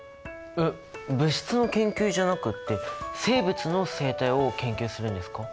えっ物質の研究じゃなくって生物の生態を研究するんですか？